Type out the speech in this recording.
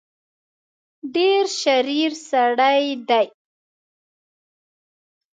ډېر شریر سړی دی.